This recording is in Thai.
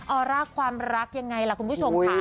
อร่าความรักยังไงล่ะคุณผู้ชมค่ะ